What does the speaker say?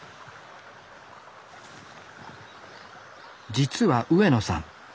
実は上野さん